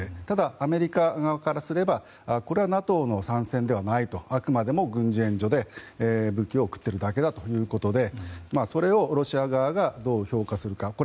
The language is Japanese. ただ、アメリカ側からすればこれはＮＡＴＯの参戦ではないとあくまでも軍事援助で、武器を送っているだけだということでそれをロシア側がどう評価するか。